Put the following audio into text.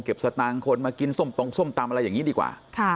เก็บสตางค์คนมากินส้มตำอะไรอย่างงี้ดีกว่าค่ะ